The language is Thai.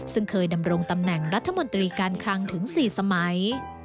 ซึ่งเคยดำรงตำแหน่งรัฐมนตรีการคลังถึง๔สมัย